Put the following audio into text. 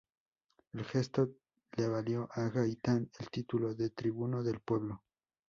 Este gesto le valió a Gaitán el título de "Tribuno del Pueblo".